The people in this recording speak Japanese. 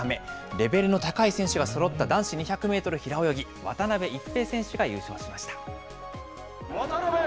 レベルの高い選手がそろった男子２００メートル平泳ぎ、渡辺一平選手が優勝しました。